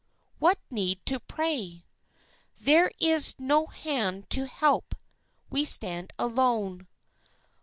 What need to pray? There is no hand to help. We stand alone.